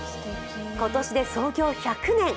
今年で創業１００年。